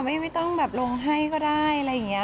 ไม่ต้องแบบลงให้ก็ได้อะไรอย่างนี้